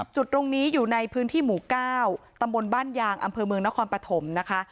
จุดตรงนี้อยู่ในพื้นที่หมู่๙ตำบลบ้านยางอำเภอเมืองนครปฐมนะคะ